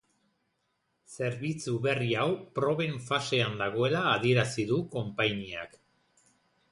Zerbitzu berri hau proben fasean dagoela adierazi du konpainiak.